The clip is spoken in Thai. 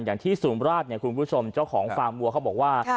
อย่างที่สุมราชเนี่ยคุณผู้ชมเจ้าของฟาร์มวัวเขาบอกว่า